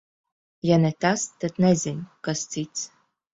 Ja ne tas, tad nezinu, kas cits.